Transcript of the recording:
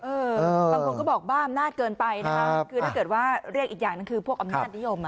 บางคนก็บอกว่าอำนาจเกินไปถ้าเกิดว่าเรียกอีกอย่างคือพวกอำนาจนิยม